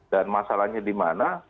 dan masalahnya di mana